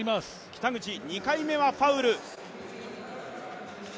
北口、２回目はファウル。